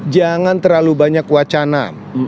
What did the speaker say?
jangan terlalu banyak wacana